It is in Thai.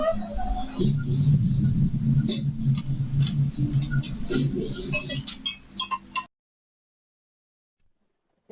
ใช่ครับ